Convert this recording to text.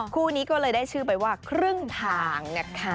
คู่นี้ก็เลยได้ชื่อไปว่าครึ่งทางนะคะ